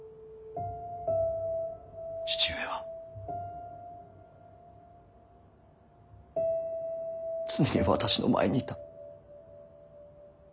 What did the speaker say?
父上は常に私の前にいた。